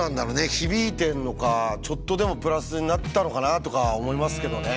響いてんのかちょっとでもプラスになったのかなとか思いますけどね。